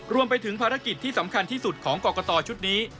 รวมไปถึงภารกิจที่สำคัญที่สุดของกรกตชุดนี้